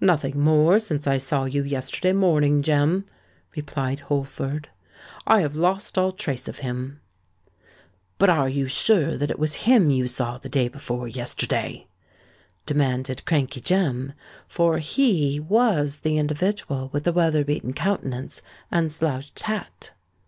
"Nothing more since I saw you yesterday morning, Jem," replied Holford. "I have lost all trace of him." "But are you sure that it was him you saw the day before yesterday?" demanded Crankey Jem—for he was the individual with the weather beaten countenance and slouched hat.